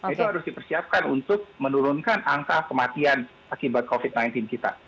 itu harus dipersiapkan untuk menurunkan angka kematian akibat covid sembilan belas kita